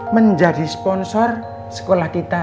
menjadi sponsor sekolah kita